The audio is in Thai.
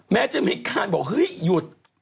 แม้จะมีคนบอกหยุด